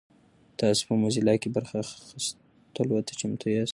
تاسو په موزیلا کې برخه اخیستلو ته چمتو یاست؟